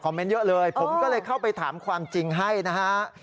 เมนต์เยอะเลยผมก็เลยเข้าไปถามความจริงให้นะฮะ